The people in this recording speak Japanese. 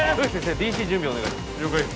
ＤＣ準備お願いします